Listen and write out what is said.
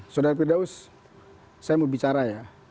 saudara firdaus saya mau bicara ya